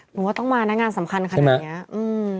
ผมว่าต้องมาน่างานสำคัญขนาดนี้อืมใช่ไหม